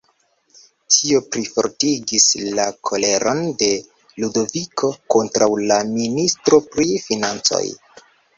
Tio plifortigis la koleron de Ludoviko kontraŭ la ministro pri financoj.